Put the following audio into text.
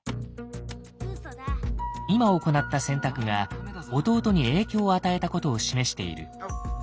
今行った選択が弟に影響を与えたことを示している。